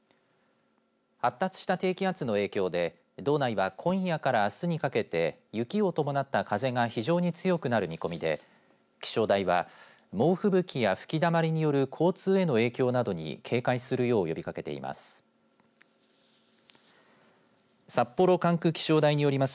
発達した低気圧の影響で道内は今夜からあすにかけて雪を伴った風が非常に強くなる見込みで気象台は猛吹雪や吹きだまりによる交通への影響などに警戒するよう呼びかけています。